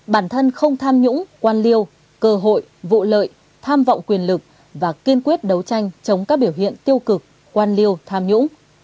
bản thân không tham nhũng quan liêu cơ hội vụ lợi tham vọng quyền lực và kiên quyết đấu tranh chống các biểu hiện tiêu cực quan liêu tham nhũng